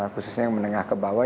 khususnya yang menengah ke bawah